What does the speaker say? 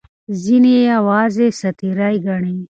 ځینې یې یوازې ساعت تېرۍ ګڼي.